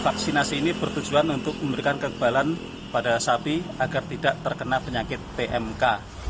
vaksinasi ini bertujuan untuk memberikan kekebalan pada sapi agar tidak terkena penyakit pmk